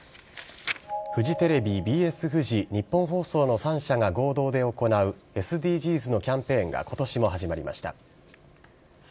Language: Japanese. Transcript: フジテレビ、ＢＳフジ、ニッポン放送の３社が合同で行うＳＤＧｓのキャンペーンがことしも始まりました。